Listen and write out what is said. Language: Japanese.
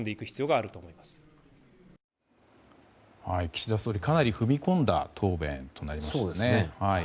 岸田総理かなり踏み込んだ答弁となりましたね。